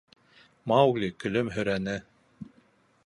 Маугли көлөмһөрәне.